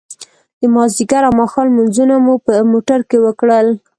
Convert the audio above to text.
د ماذيګر او ماښام لمونځونه مو په موټر کې وکړل.